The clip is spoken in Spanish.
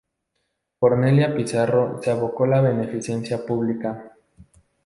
Cornelia Pizarro se abocó a la beneficencia pública.